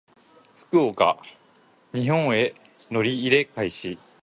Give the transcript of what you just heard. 福岡・台北線開設。日本への乗り入れ開始。